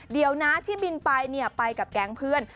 เดี๋ยวนะที่บินไปไปกับแก๊งเพื่อน